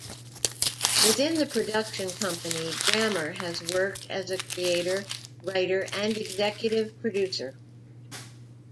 Within the production company, Grammer has worked as a creator, writer, and executive producer.